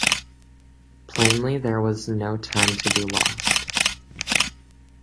Plainly there was no time to be lost.